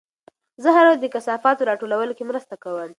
زه هره ورځ د کثافاتو راټولولو کې مرسته کوم.